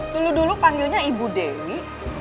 dulu dulu panggilnya ibu dewi